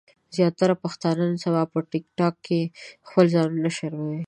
زياتره پښتانۀ نن سبا په ټک ټاک کې خپل ځانونه شرموي